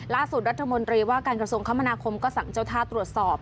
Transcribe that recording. ล่าสุดรัฐมนตรีการกระทรงคมก็สั่งเจ้าทาตรวจสอบ